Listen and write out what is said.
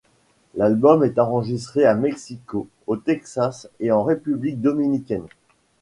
L'album est enregistré à Mexico, au Texas, et en République dominicaine.